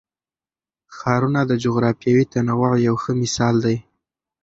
ښارونه د جغرافیوي تنوع یو ښه مثال دی.